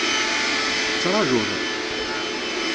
Tettrajuḍ?